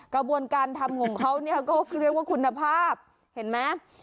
กระบวนการทำงงเค้าก็เรียกว่าคุณภาพเห็นไหม